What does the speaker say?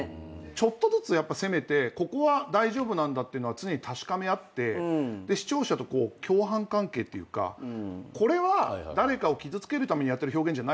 ちょっとずつ攻めてここは大丈夫なんだっていうのは常に確かめ合って視聴者と共犯関係っていうかこれは誰かを傷つけるためにやってる表現じゃない。